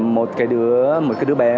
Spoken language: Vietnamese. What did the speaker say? một cái đứa bé